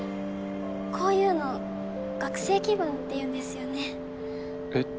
こういうの学生気分って言うんですよねえっ？